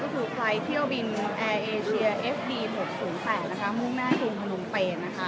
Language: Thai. ก็คือไฟล์เที่ยวบินแอร์เอเชียเอฟดีหกศูนย์แสนมุ่งหน้าภูมิภรรมเตรียมนะคะ